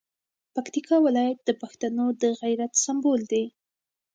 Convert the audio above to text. پکتیکا ولایت د پښتنو د غیرت سمبول دی.